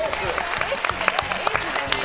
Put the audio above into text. エースじゃない。